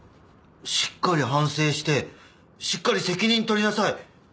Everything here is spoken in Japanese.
しっかり反省してしっかり責任取りなさい。